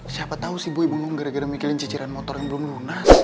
siapa tau si bu ibu ngom gara gara mikirin ciciran motor yang belum lunas